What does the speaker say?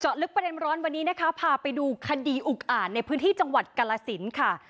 ลึกประเด็นร้อนวันนี้นะคะพาไปดูคดีอุกอ่านในพื้นที่จังหวัดกาลสินค่ะ